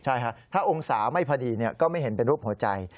ใช่ค่ะถ้าองศาไม่พอดีก็ไม่เห็นเป็นรูปหัวใจ